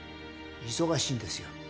忙しいんですよ。